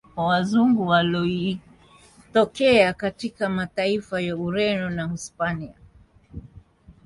Wazungu walitokea katika mataifa ya Ureno na uhispania